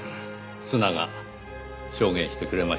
砂が証言してくれました。